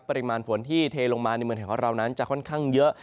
ปริมาณฝนที่เทลงมาในเมืองไทยของเรานั้นจะค่อนข้างเยอะ